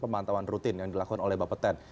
pemantauan rutin yang dilakukan oleh bapak ten